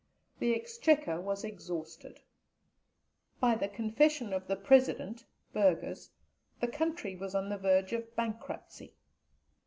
The exchequer was exhausted. By the confession of the President (Burgers) the country was on the verge of bankruptcy.